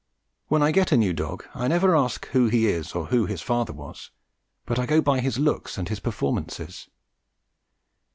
When I get a new dog I never ask who he is, or who his father was, but I go by his looks and his performances.